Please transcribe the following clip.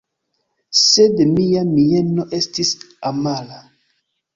Sed mia mieno estis amara.